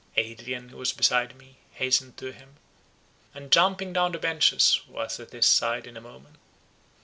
Adrian, who was beside me, hastened to him, and jumping down the benches, was at his side in a moment.